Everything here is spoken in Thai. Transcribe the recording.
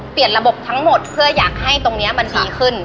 ระบบทั้งหมดเพื่ออยากให้ตรงนี้มันดีขึ้น